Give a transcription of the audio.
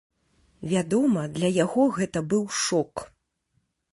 Вядома, для яго гэта быў шок.